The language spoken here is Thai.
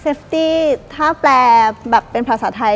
ตี้ถ้าแปลแบบเป็นภาษาไทย